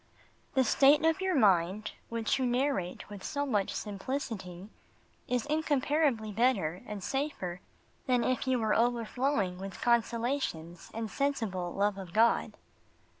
The state of your mind, which you narrate with so much simplicity, is incomparably better and safer than if you were overflowing with consolations and sensible love of God.